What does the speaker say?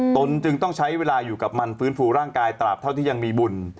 ตนจึงต้องใช้เวลาอยู่กับมันฟื้นฟูร่างกายตราบเท่าที่ยังมีบุญ